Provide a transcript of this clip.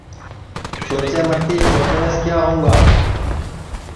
سوچے متی سوچٹؔیس کیا ہؤںگا